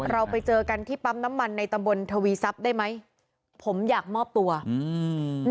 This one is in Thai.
เราไปเจอกันที่ปั๊มน้ำมันในตำบลทวีทรัพย์ได้ไหมผมอยากมอบตัวอืม